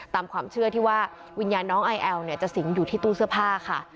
ตามความเชื่อที่ว่าวิญญาณน้องไอแอลจะสิงอยู่ที่ตู้เสื้อผ้าค่ะ